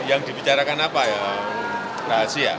yang dibicarakan apa ya rahasia